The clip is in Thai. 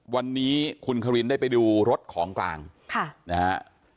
วันนี้คุณครินได้ไปดูรถของกลางค่ะนะฮะ